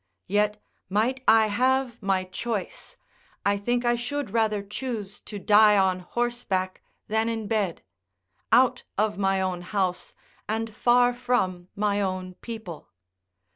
Yet, might I have my choice, I think I should rather choose to die on horseback than in bed; out of my own house, and far from my own people.